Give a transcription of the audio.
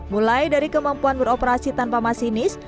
mulai dari kemampuan beroperasi tanpa masinis